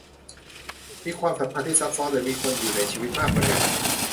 มีความสัมพันธ์ที่ซับซ้อนหรือมีคนอยู่ในชีวิตมากกว่าหนึ่ง